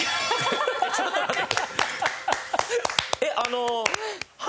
ちょっと待って。